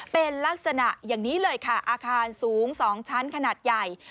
เป็นลักษณะอย่างนี้เลยค่ะอาคารสูง๒ชั้นขนาดใหญ่